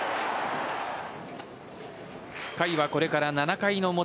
回はこれから７回の表。